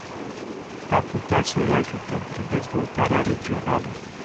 Am putea să îi ajutăm prin dezvoltarea regională.